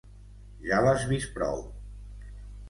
Ja l'has vist prou!